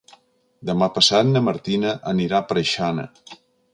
Demà passat na Martina anirà a Preixana.